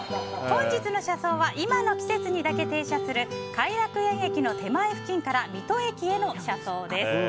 本日の車窓は今の季節にだけ停車する偕楽園駅の手前辺りから水戸駅への車窓です。